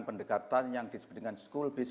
pendekatan yang disebutkan school based